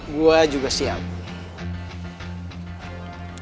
gue juga siap